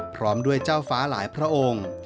พร้อมด้วยเจ้าฟ้าหลายพระองค์